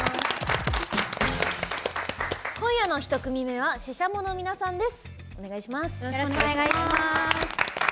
今夜の１組目はＳＨＩＳＨＡＭＯの皆さんです。